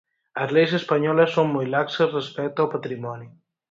As leis españolas son moi laxas respecto ao patrimonio.